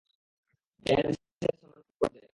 এ হাদীসের সনদ হাসান পর্যায়ের।